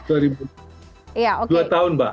dua tahun mbak